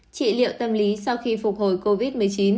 trị liệu tâm lý sau khi phục hồi covid một mươi chín